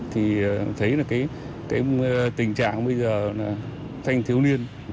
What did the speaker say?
thì thấy tình trạng bây giờ thanh thiếu niên